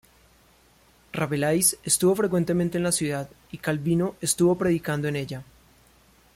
Rabelais estuvo frecuentemente en la ciudad, y Calvino estuvo predicando en ella.